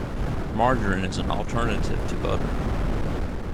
Margarine is an alternative to butter.